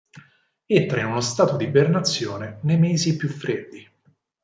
Entra in uno stato di ibernazione nei mesi più freddi.